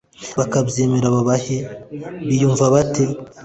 bakabyemera baba he? biyumva bate